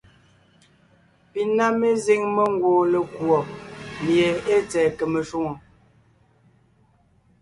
Pi ná mezíŋ mengwoon lekùɔ mie ée tsɛ̀ɛ kème shwòŋo.